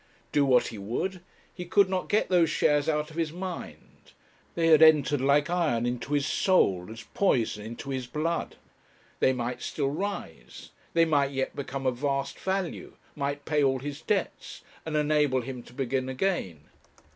Do what he would, he could not get those shares out of his mind; they had entered like iron into his soul, as poison into his blood; they might still rise, they might yet become of vast value, might pay all his debts, and enable him to begin again.